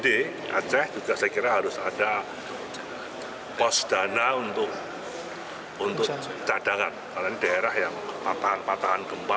di aceh juga saya kira harus ada pos dana untuk untuk cadangan karena ini daerah yang patahan patahan gempa